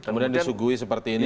kemudian disuguhi seperti ini